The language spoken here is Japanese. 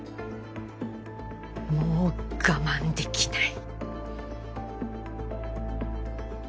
もう我慢できない。